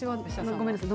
ごめんなさい。